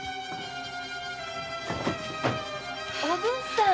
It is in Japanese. おぶんさん。